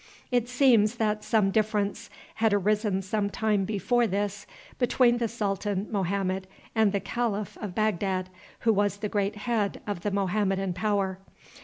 It seems that some difference had arisen some time before this between the Sultan Mohammed and the Calif of Bagdad, who was the great head of the Mohammedan power.